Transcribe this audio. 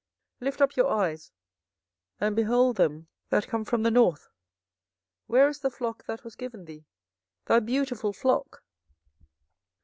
24:013:020 Lift up your eyes, and behold them that come from the north: where is the flock that was given thee, thy beautiful flock?